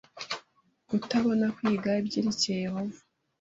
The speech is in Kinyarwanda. kutabona kwiga ibyerekeye Yehova